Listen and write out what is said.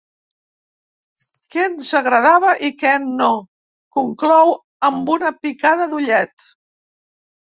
Què ens agradava i què no —conclou amb una picada d'ullet.